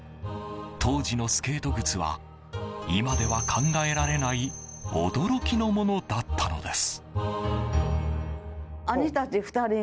当時のスケート靴は今では考えられない驚きのものだったのです。